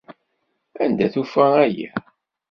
Anda tufa aya?